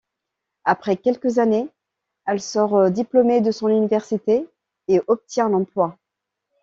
Après quelques années, elle sort diplômée de son université et obtient un emploi.